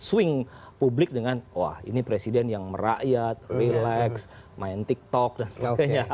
sisi kelemahan itu dengan menswing publik dengan wah ini presiden yang merakyat relax main tiktok dan sebagainya